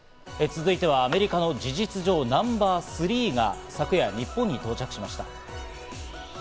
続いては、アメリカの事実上ナンバー３が昨夜、日本に到着しました。